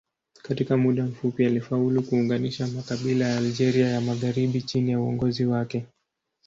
Katika muda mfupi alifaulu kuunganisha makabila ya Algeria ya magharibi chini ya uongozi wake.